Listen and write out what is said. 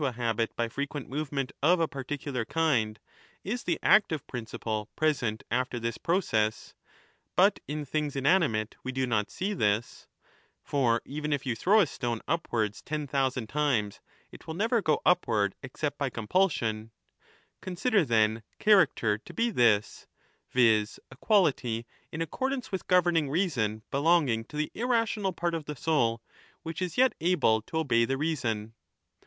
2 1220'* a habit by frequent movement of a particular kind — is the active principle present after this process, but in things inanimate we do not see this (for even if you throw a stone upwards ten thousand times, it will never go upward except by compulsion), — consider, then, character to be this, viz, a 5 quality in accordance with governing reason belonging to the irrational part of the soul which is yet able to obey the reason.